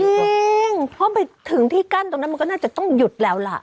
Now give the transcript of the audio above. จริงเพราะไปถึงที่กั้นตรงนั้นมันก็น่าจะต้องหยุดแล้วล่ะ